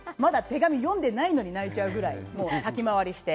手紙読んでないのに泣いちゃうぐらい先回りして。